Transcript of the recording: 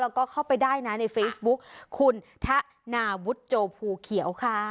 แล้วก็เข้าไปได้นะในเฟซบุ๊กคุณทะนาวุฒิโจภูเขียวค่ะ